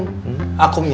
sama si aku dang